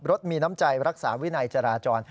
รถมีน้ำใจรักษาวินัยจราจร